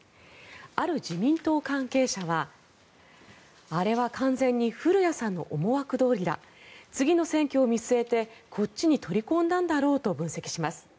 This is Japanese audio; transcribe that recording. ある自民党関係者はあれは完全に古屋さんの思惑どおりだ次の選挙を見据えてこっちに取り込んだんだろうと分析します。